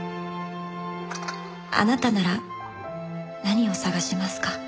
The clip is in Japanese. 「あなたなら何を探しますか？」